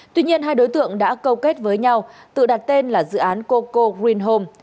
tuy nhiên hai đối tượng đã câu kết với nhau tự đặt tên là dự án coco green home